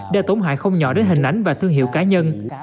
đã tổn hại không nhỏ đến hình ảnh và thương hiệu cá nhân